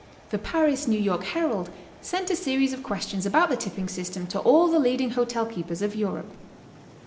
The Paris New York Herald sent a series of questions about the tipping system to all the leading hotel keepers of Europe.